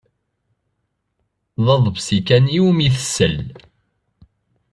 D aḍebsi kan iwumi tessal.